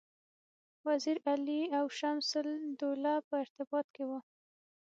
وزیر علي او شمس الدوله په ارتباط کې وه.